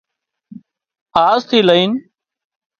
آزٿِي لئين